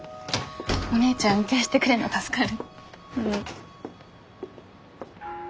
お姉ちゃん運転してくれんの助かる。